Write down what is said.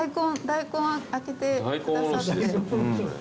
大根開けてくださって。